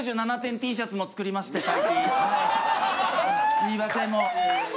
すいませんもう。